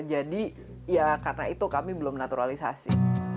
jadi ya karena itu kami belum naturalisasi